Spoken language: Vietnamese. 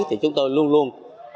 thì chúng tôi luôn luôn